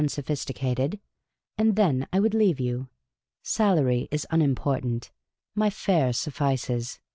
sophisticated ; and then I would leave you. Salary is unimportant ; my fare suffices.